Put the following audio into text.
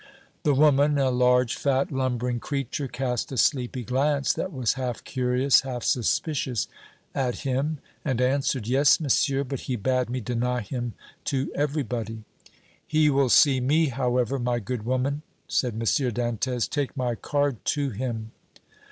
The woman, a large, fat, lumbering creature, cast a sleepy glance, that was half curious, half suspicious, at him and answered: "Yes, Monsieur; but he bade me deny him to everybody." "He will see me, however, my good woman," said M. Dantès. "Take my card to him."